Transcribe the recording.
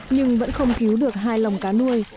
nhưng vẫn không cứu được hai lồng cá nuôi